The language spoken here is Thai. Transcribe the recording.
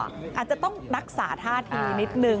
อาจจะต้องรักษาท่าทีนิดนึง